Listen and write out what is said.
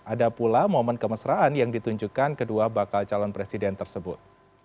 ada pula momen kemesraan yang ditunjukkan kedua bakal calon presiden tersebut